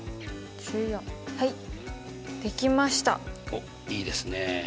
おっいいですね。